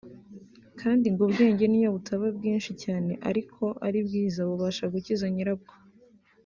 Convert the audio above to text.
kandi ngo ubwenge niyo butaba bwinshi cyane ariko ari bwiza bubasha gukiza nyirabwo